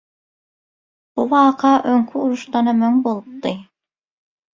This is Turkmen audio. Bu waka öňki uruşdanam öň bolupdy.